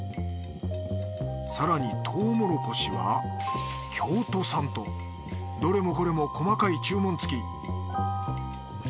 更にとうもろこしは京都産とどれもこれも細かい注文つき。